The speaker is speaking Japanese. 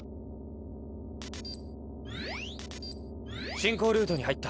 侵攻ルートに入った。